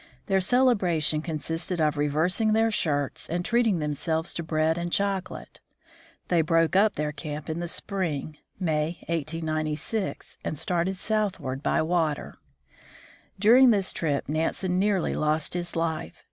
Their celebration consisted of reversing their shirts, and treating themselves to bread and chocolate. They broke up their camp in the spring (May, 1896), and started southward by water. During this trip Nansen nearly lost his life.